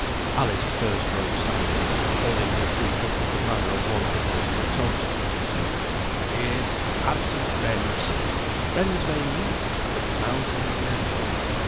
Alice first broke silence; holding her tea cup with the manner of one proposing a toast, she said, "Here's to absent friends. Friends may meet, but mountains never."